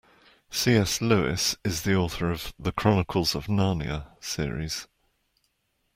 C.S. Lewis is the author of The Chronicles of Narnia series.